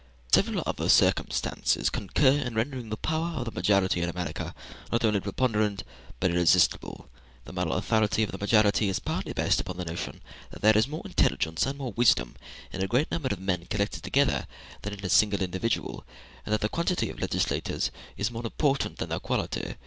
Several other circumstances concur in rendering the power of the majority in America not only preponderant, but irresistible. The moral authority of the majority is partly based upon the notion that there is more intelligence and more wisdom in a great number of men collected together than in a single individual, and that the quantity of legislators is more important than their quality.